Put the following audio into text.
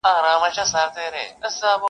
کلي کي سړه فضا ده ډېر,